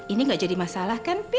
ini gak jadi masalah kan